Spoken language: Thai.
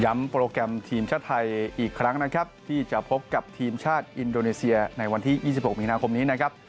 โปรแกรมทีมชาติไทยอีกครั้งนะครับที่จะพบกับทีมชาติอินโดนีเซียในวันที่๒๖มีนาคมนี้นะครับ